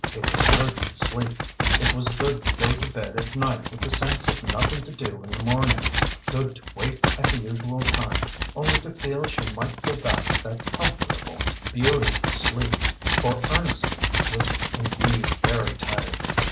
It was good to sleep. It was good to go to bed at night with the sense of nothing to do in the morning, good to wake at the usual time only to feel she might go back to that comfortable, beautiful sleep. For Ernestine was indeed very tired.